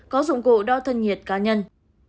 có dụng cụ đo thân nhiệt cá nhân